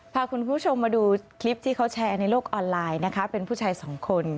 พาคุณผู้ชมมาดูคลิปที่เขาแชร์ในโลกออนไลน์นะคะเป็นผู้ชายสองคน